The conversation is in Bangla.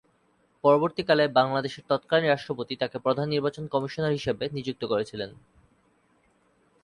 পরবর্তীকালে বাংলাদেশের তৎকালীন রাষ্ট্রপতি তাকে প্রধান নির্বাচন কমিশনার হিসাবে নিযুক্ত করেছিলেন।